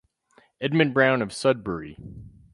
Edmund Brown of Sudbury.